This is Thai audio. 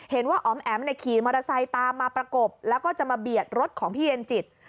อ๋อมแอ๋มขี่มอเตอร์ไซค์ตามมาประกบแล้วก็จะมาเบียดรถของพี่เย็นจิต